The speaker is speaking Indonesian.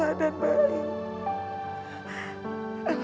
adalah budak saya dengan bosanku